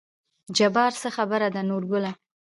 جبار : څه خبره ده نورګله